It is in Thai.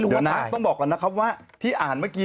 เดี๋ยวนะต้องบอกก่อนนะครับว่าที่อ่านเมื่อกี้